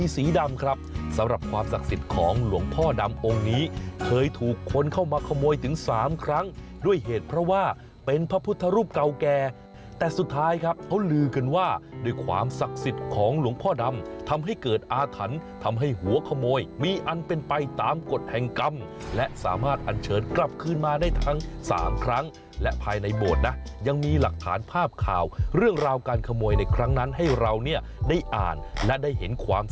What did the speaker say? สมฤทธิ์รูปเก่าแก่แต่สุดท้ายครับเขาลือกันว่าด้วยความศักดิ์สิทธิ์ของหลวงพ่อดำทำให้เกิดอาถรรพ์ทำให้หัวขโมยมีอันเป็นไปตามกฎแห่งกรรมและสามารถอันเชิญกลับขึ้นมาได้ทั้งสามครั้งและภายในบทนะยังมีหลักฐานภาพข่าวเรื่องราวการขโมยในครั้งนั้นให้เราเนี่ยได้อ่านแล